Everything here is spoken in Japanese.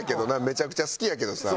めちゃくちゃ好きやけどさ。